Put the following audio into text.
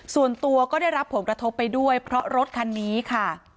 ส่วนตัวก็ได้รับผลกระทบไปด้วยเพราะรถคันนี้ค่ะ